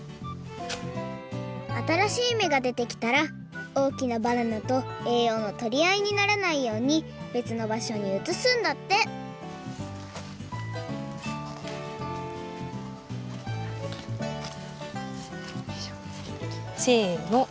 あたらしいめがでてきたらおおきなバナナとえいようのとりあいにならないようにべつのばしょにうつすんだってせの！